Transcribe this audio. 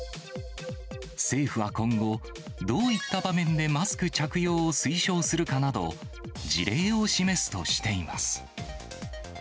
政府は今後、どういった場面でマスク着用を推奨するかなど、事例を示すとしています。